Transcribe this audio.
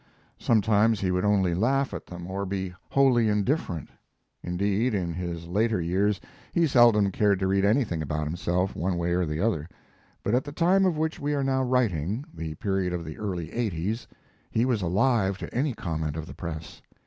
Sometimes he would only laugh at them or be wholly indifferent. Indeed, in his later years, he seldom cared to read anything about himself, one way or the other, but at the time of which we are now writing the period of the early eighties he was alive to any comment of the press.